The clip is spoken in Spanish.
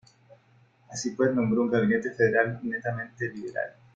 Así pues nombro un gabinete federal netamente liberal.